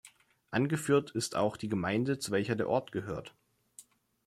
Angeführt ist auch die Gemeinde, zu welcher der Ort gehört.